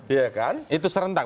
iya kan itu serentak